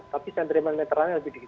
tapi sentimen netralnya lebih dikit